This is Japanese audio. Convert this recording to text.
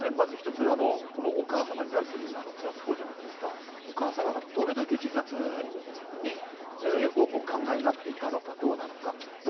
まず１つ、お母様に対する自殺ほう助ですが、どれだけ自殺をお考えになっていたのかどうなのか。